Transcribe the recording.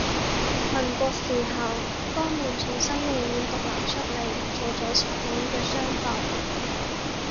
民國時候江門從新會縣獨立出嚟做咗出名嘅商埠